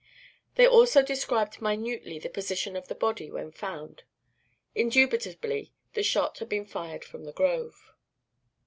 They also described minutely the position of the body when found. Indubitably the shot had been fired from the grove.